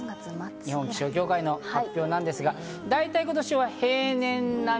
日本気象協会の発表ですが、だいたい今年は平年並み。